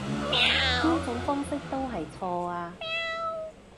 呢種方式都係錯啊